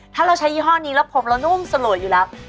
ถ้าเราใช้ยี่ห้อนี้แล้วผมเรานุ่มสลวยอยู่แล้ว